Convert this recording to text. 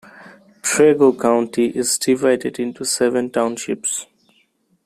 Trego County is divided into seven townships.